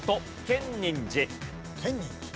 建仁寺。